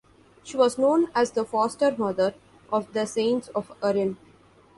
She was known as the "foster mother of the saints of Erin".